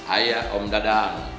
ayah om dadang